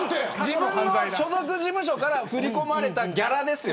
自分の所属事務所から振り込まれたギャラです。